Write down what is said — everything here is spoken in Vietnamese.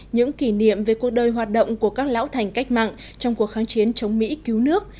những kỷ niệm về cuộc đời hoạt động của các lão thành cách mạng trong cuộc kháng chiến chống mỹ cứu nước